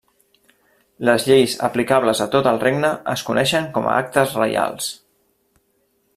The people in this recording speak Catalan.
Les lleis aplicables a tot el Regne es coneixen com a actes reials.